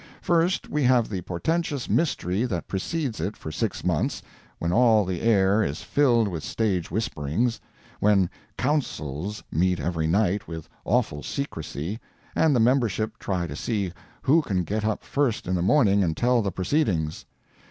First we have the portentous mystery that precedes it for six months, when all the air is filled with stage whisperings; when "Councils" meet every night with awful secrecy, and the membership try to see who can get up first in the morning and tell the proceedings.